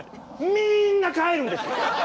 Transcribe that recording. みんな帰るんです！